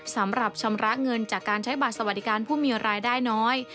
สำหรับชำระเงินจากการใช้บัตรสวัสดิการผู้มีรายได้น้อย